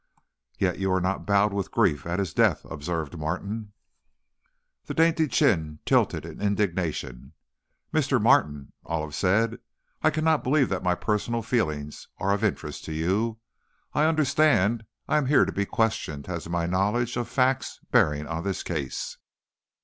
"Yet you are not bowed with grief at his death," observed Martin. The dainty chin tilted in indignation. "Mr. Martin," Olive said, "I cannot believe that my personal feelings are of interest to you. I understand I am here to be questioned as to my knowledge of facts bearing on this case."